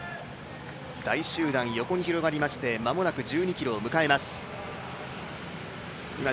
大集団、横に広がりまして間もなく１２ｋｍを迎えます。